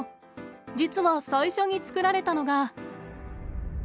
実は最初に作られたのが。